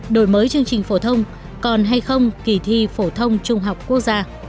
đổi mới chương trình phổ thông còn hay không kỳ thi phổ thông trung học quốc gia